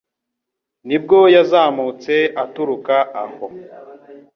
nibwo yazamutse aturuka aho